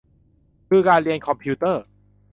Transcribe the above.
คือการเรียนคอมพิวเตอร์